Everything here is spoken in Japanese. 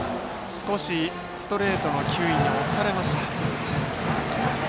少しストレートの球威に押されました。